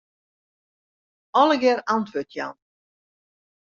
Allegearre antwurd jaan.